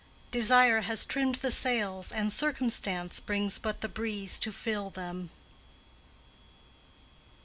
Desire has trimmed the sails, and Circumstance Brings but the breeze to fill them.